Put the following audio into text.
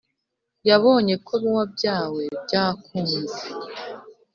yabonye ko wabyawe byakunze,